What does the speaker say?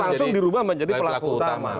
langsung dirubah menjadi pelaku utama